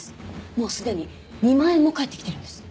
もうすでに２万円も返ってきてるんです。